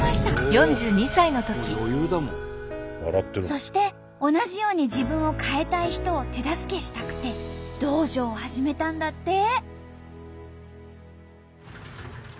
そして同じように自分を変えたい人を手助けしたくて道場を始めたんだって！